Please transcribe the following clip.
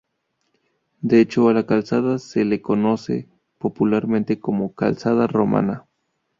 De hecho a la calzada se le conoce popularmente como "Calzada romana.